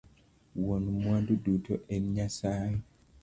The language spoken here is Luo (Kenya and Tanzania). Wuon mwandu duto en nyasaye